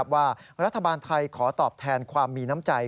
ว่ารัฐบาลไทยขอตอบแทนความมีน้ำใจ